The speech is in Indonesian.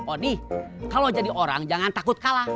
odi kalau jadi orang jangan takut kalah